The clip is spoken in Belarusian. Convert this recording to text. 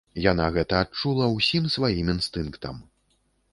Яна гэта адчула ўсім сваім інстынктам.